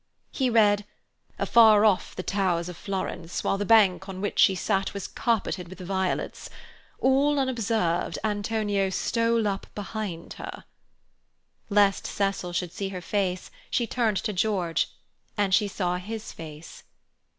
He read: "'Afar off the towers of Florence, while the bank on which she sat was carpeted with violets. All unobserved Antonio stole up behind her—'" Lest Cecil should see her face she turned to George and saw his face.